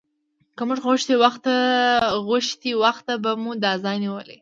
که موږ غوښتی وخته به مو دا ځای نیولی و.